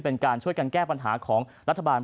เป็นการช่วยกันแก้ปัญหาของรัฐบาล